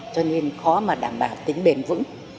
cho nên khó mà đảm bảo tính bền vững